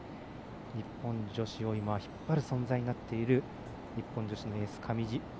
日本女子を今引っ張る存在となっている日本女子のエース、上地。